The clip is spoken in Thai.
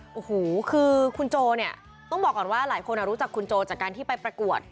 โอ้โหคือคุณโจเนี่ยต้องบอกก่อนว่าหลายคนรู้จักคุณโจจากการที่ไปประกวด